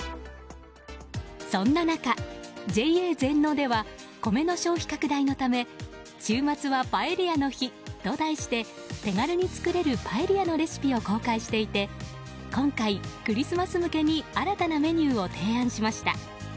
そんな中、ＪＡ全農では米の消費拡大のため週末はパエリアの日と題して手軽に作れるパエリアのレシピを公開していて今回、クリスマス向けに新たなメニューを提案しました。